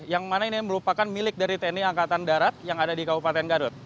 yang mana ini merupakan milik dari tni angkatan darat yang ada di kabupaten garut